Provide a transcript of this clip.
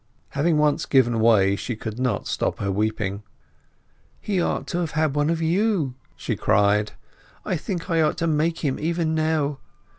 Having once given way she could not stop her weeping. "He ought to have had one of you!" she cried. "I think I ought to make him even now!